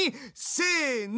せの。